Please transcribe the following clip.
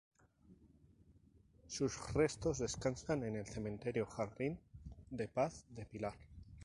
Sus restos descansan en el Cementerio Jardín de Paz de Pilar.